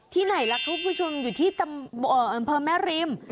ไหนล่ะคุณผู้ชมอยู่ที่อำเภอแม่ริม